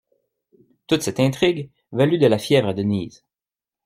Toute cette intrigue valut de la fièvre à Denise.